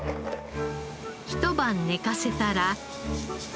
一晩寝かせたら。